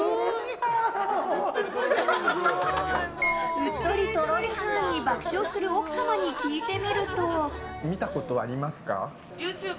うっとりとろりはんに爆笑する奥様に聞いてみると。